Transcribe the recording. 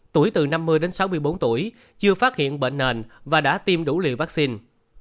tuổi từ năm mươi đến sáu mươi bốn tuổi chưa phát hiện bệnh nền và đã tiêm đủ liều vaccine